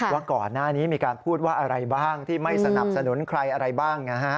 ว่าก่อนหน้านี้มีการพูดว่าอะไรบ้างที่ไม่สนับสนุนใครอะไรบ้าง